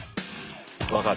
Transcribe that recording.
分かる。